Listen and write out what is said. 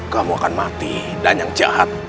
kamu akan mati dan yang jahat